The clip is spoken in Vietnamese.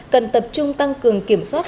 cần tập trung tăng cường kiểm soát